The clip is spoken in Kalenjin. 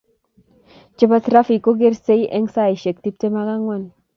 chebo trafik kogersei eng saishek tuptem ak angwan